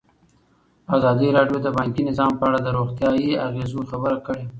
ازادي راډیو د بانکي نظام په اړه د روغتیایي اغېزو خبره کړې.